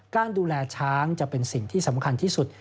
การดูแลช้างจะเป็นสิ่งที่สำคัญที่สุด